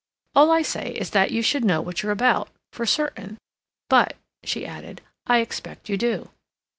"All I say is that you should know what you're about—for certain; but," she added, "I expect you do."